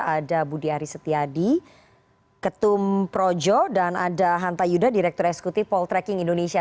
ada budi aris setiadi ketum projo dan ada hanta yuda direktur eksekutif poltreking indonesia